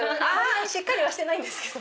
しっかりはしてないけど。